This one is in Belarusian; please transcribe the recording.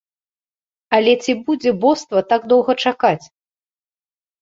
Але ці будзе боства так доўга чакаць?